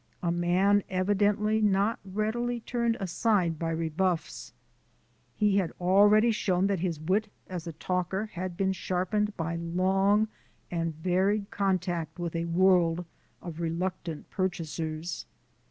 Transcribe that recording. a man evidently not readily turned aside by rebuffs. He had already shown that his wit as a talker had been sharpened by long and varied contact with a world of reluctant purchasers.